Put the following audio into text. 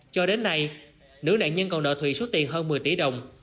cho đến nay nữ nạn nhân còn nợ thùy số tiền hơn một mươi tỷ đồng